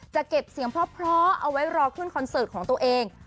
จะเก็บเสียงเพราะเอาไว้รอขึ้นคอนเสิร์ตของตัวเอง